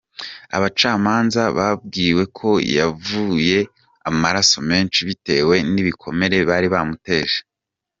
Abacamanza babwiwe ko "yavuye amaraso menshi bitewe n'ibikomere bari bamuteje".